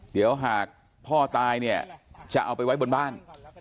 เดี๋ยวหากพ่อตายเนี่ยจะเอาไปไว้บนบ้าน